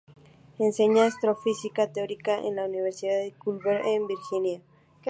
Enseña astrofísica teórica en la Universidad de Culver, en Virginia.